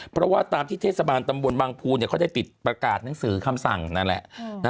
เพราะว่าตามที่เทศบาลตำบลบางภูเขาได้ติดประกาศหนังสือคำสั่งนั่นแหละ